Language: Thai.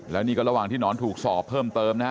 แล้วนี่ก็ระหว่างที่หนอนถูกสอบเพิ่มเติมนะฮะ